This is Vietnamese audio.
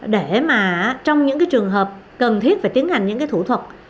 để mà trong những trường hợp cần thiết phải tiến hành những cái thủ thuật